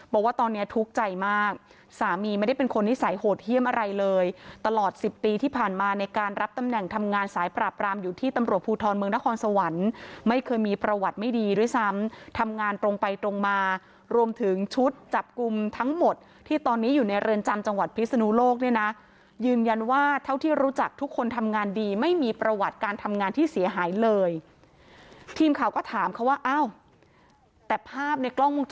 บอกว่าตอนเนี้ยทุกข์ใจมากสามีไม่ได้เป็นคนนิสัยโหดเฮียมอะไรเลยตลอดสิบปีที่ผ่านมาในการรับตำแหน่งทำงานสายปราบรามอยู่ที่ตำรวจภูทรเมืองนครสวรรค์ไม่เคยมีประวัติไม่ดีด้วยซ้ำทำงานตรงไปตรงมารวมถึงชุดจับกลุ่มทั้งหมดที่ตอนนี้อยู่ในเรือนจำจังหวัดพิศนุโลกเนี้ยน่ะยืนยัน